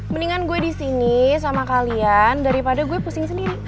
mendingan gue disini sama kalian daripada gue pusing sendiri